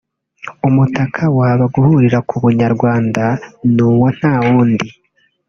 umutaka waba guhurira ku Bunyarwanda ni uwo nta wundi